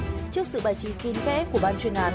tuy nhiên trước sự bài trí kín kẽ của ban chuyên án